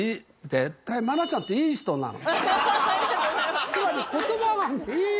絶対、愛菜ちゃんっていい人なの。